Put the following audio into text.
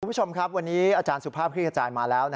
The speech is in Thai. คุณผู้ชมครับวันนี้อาจารย์สุภาพคลิกกระจายมาแล้ว